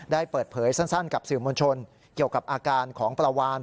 ได้เปิดเผยสั้นกับสื่อมวลชนเกี่ยวกับอาการของปลาวาน